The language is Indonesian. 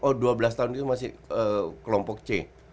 oh dua belas tahun itu masih kelompok c